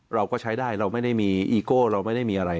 เราก็ใช้ได้เราไม่ได้มีอีโก้เราไม่ได้มีอะไร